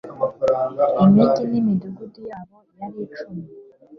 imigi n'imidugudu yabo yari icumi